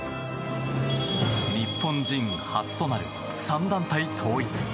日本人初となる３団体統一。